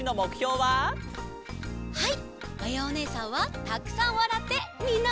はい！